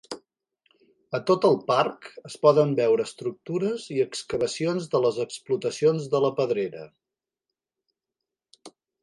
A tot el parc es poden veure estructures i excavacions de les explotacions de la Pedrera.